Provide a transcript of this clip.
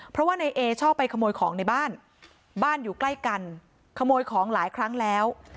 เพราะว่าในเอชอบไปขโมยของในบ้านบ้านอยู่ใกล้กันขโมยของหลายครั้งแล้ว